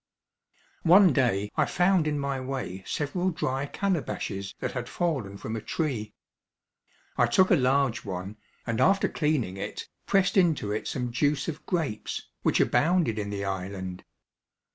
One day I found in my way several dry calabashes that had fallen from a tree. I took a large one, and after cleaning it, pressed into it some juice of grapes, which abounded in the island.